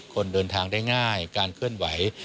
คนเดินทางได้ง่ายการเคลื่อนไหว